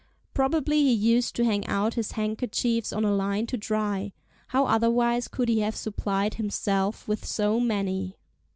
Probably he used to hang out his handkerchiefs on a line to dry; how otherwise could he have supplied himself with so many?